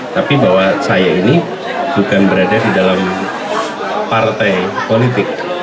tapi bahwa saya ini bukan berada di dalam partai politik